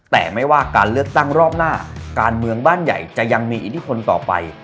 แต่ไม่ว่าการเลือกตั้งรอบหน้าการเมืองบ้านใหญ่จะยังมีอิทธิพลต่อไป